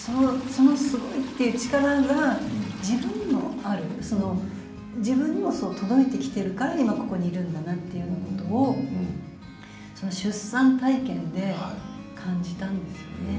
そのすごい力というのが自分にもある自分にも届いてきているから今ここにいるんだなということをその出産体験で感じたんですよね。